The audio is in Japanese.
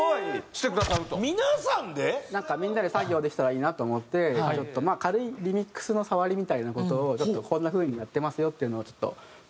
なんかみんなで作業できたらいいなと思ってまあ軽いリミックスの触りみたいな事をこんな風にやってますよっていうのをターンごとに。